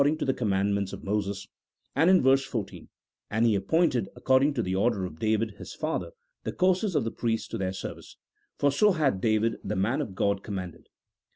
ing to tlie commandments of Moses ;" and in verse 14, " And he appointed, according to the order of David his father, the courses of the priests to their service .... for so had David the man of G od commanded.